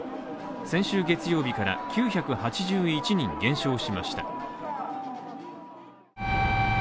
先週月曜日から９８１人減少しました。